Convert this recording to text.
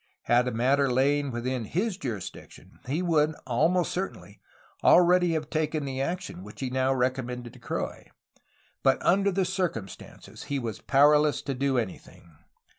Had the matter lain within his jurisdiction he would, almost certainly, already have taken the action which he now recommended to Croix, but under the circumstances he was powerless to do anything.